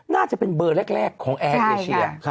น่าจะเป็นเบอร์แรกของแอร์เอเชีย